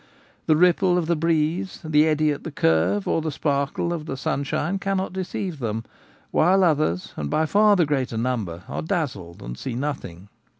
The ripple of the breeze, the eddy at the curve, or the sparkle of the sunshine cannot deceive them ; while others, and by far the greater number, are dazzled and see nothing.